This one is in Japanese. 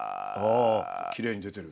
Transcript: きれいに出てる。